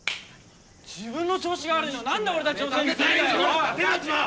自分の調子が悪いのを何で俺たちのせいにするんだよ！